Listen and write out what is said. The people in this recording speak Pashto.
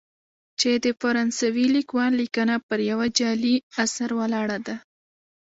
چې د فرانسوي لیکوال لیکنه پر یوه جعلي اثر ولاړه ده.